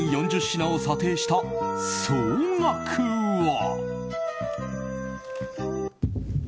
全４０品を査定した総額は。